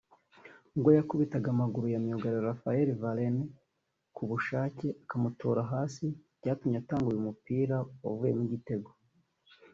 ubwo yakubitaga amaguru ya myugariro Raphael Varane ku bushake akamutura hasi byatumye atanga uyu mupira wavuyemo igitego